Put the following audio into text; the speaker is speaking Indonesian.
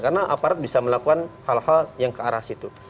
karena aparat bisa melakukan hal hal yang ke arah situ